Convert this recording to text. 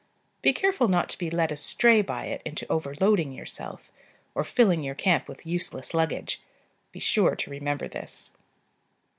Be careful not to be led astray by it into overloading yourself, or filling your camp with useless luggage. Be sure to remember this.